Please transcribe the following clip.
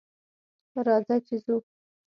راځه چې ځو